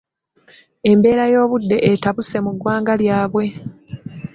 Embeera y'obudde etabuse mu ggwanga lyabwe.